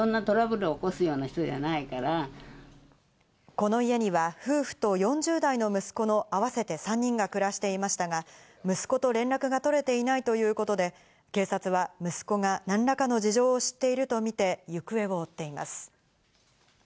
この家には夫婦と４０代の息子の合わせて３人が暮らしていましたが、息子と連絡が取れていないということで、警察は息子が何らかの事情を知っているとみて行方を追っています。